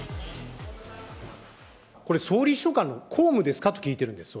これ、総理秘書官の公務ですかと聞いているんです。